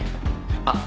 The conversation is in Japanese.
あっ。